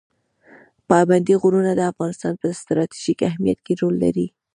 پابندي غرونه د افغانستان په ستراتیژیک اهمیت کې رول لري.